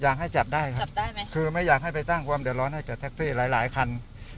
อยากให้จับได้คือไม่อยากให้ไปตั้งว่ามเดือดร้อนให้กับแท็กซี่หลายคัน